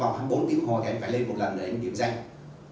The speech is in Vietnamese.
trong vòng bốn tiếng hồi thì anh phải lên một lần để điểm danh